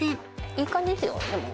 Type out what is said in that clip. いい感じですよでも。